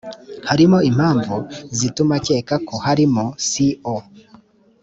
harimo impamvu zituma akeka ko harimo co